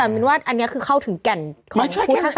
แต่มีนว่าอันนี้คือเข้าถึงแก่นของภูมิทัศนาจริงนะ